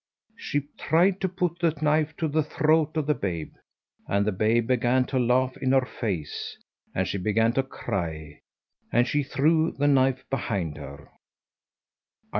She tried to put the knife to the throat of the babe, and the babe began to laugh in her face, and she began to cry, and she threw the knife behind her.